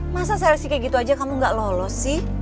masa sersi kayak gitu aja kamu gak lolos sih